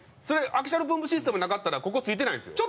アキシャルポンプシステムなかったらここ着いてないんですよ。